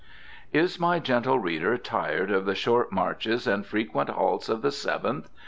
Is my gentle reader tired of the short marches and frequent halts of the Seventh?